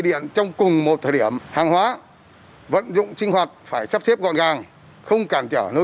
điện trong cùng một thời điểm hàng hóa vận dụng sinh hoạt phải sắp xếp gọn gàng không cản trở nước